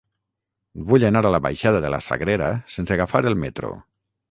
Vull anar a la baixada de la Sagrera sense agafar el metro.